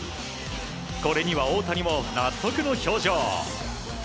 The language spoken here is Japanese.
これには大谷も納得の表情。